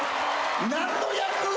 何の役！？